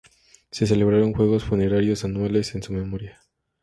Se celebraron juegos funerarios anuales en su memoria.